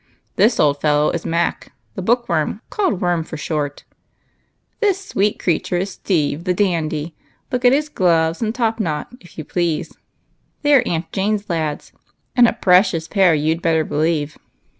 This old fellow is Mac, the bookworm, called Worm for short. This sweet creature is Steve the Dandy. Look at his gloves and top knot, if you please. They are Aunt Jane's lads, and a precious pair you 'd better believe.